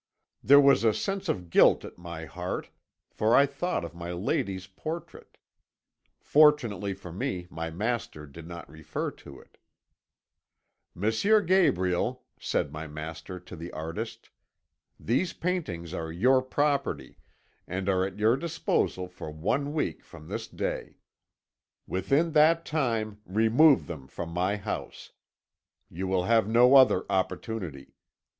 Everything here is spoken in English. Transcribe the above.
"There was a sense of guilt at my heart, for I thought of my lady's portrait. Fortunately for me my master did not refer to it. "'M. Gabriel,' said my master to the artist, 'these paintings are your property, and are at your disposal for one week from this day. Within that time remove them from my house. You will have no other opportunity.